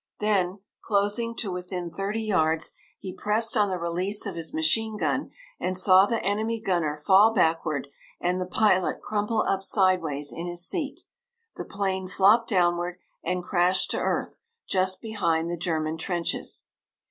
Then, closing to within thirty yards, he pressed on the release of his machine gun, and saw the enemy gunner fall backward and the pilot crumple up sideways in his seat. The plane flopped downward and crashed to earth just behind the German trenches.